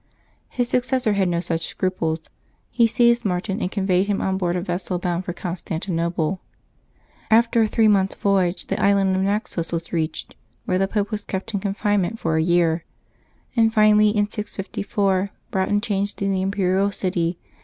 His suc cessor had no such scruples: he seized Martin, and con veyed him on board a vessel bound for Constantinople. After a three months' voyage the island of Naxos was reached, where the Pope was kept in confinement for a year, and finally in 654 brought in chains to the imperial city.